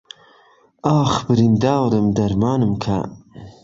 ئاخ بریندارم دەرمانم کە